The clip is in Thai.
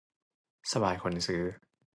สบายคนซื้อ